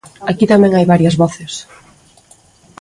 Aquí tamén hai varias voces.